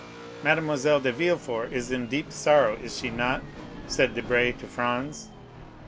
"Mademoiselle de Villefort is in deep sorrow, is she not?" said Debray to Franz.